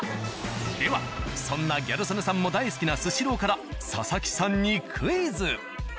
ではそんなギャル曽根さんも大好きな「スシロー」から佐々木さんにクイズ。